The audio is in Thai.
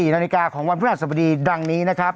๒๔นาวนิกาของวันพฤษฎิสดีดังนี้นะครับ